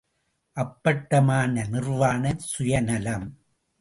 அப்பட்டமான நிர்வாணச் சுயநலம்!